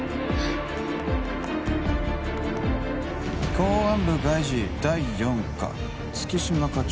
公安部外事第四課月島課長